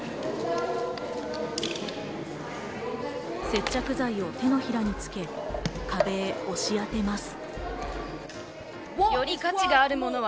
接着剤を手のひらにつけ、壁に押し当てます。